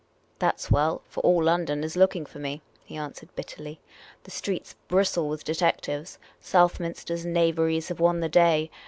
" That 's well ; for all London is looking for me," he an swered, bitterly. " The .streets bristle with detectives. Southminster's knaveries have won the day.